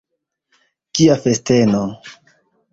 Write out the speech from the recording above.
Kia festeno!